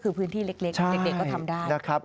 คือพื้นที่เล็กเด็กก็ทำได้นะครับ